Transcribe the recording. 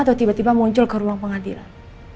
atau tiba tiba muncul ke ruang pengadilan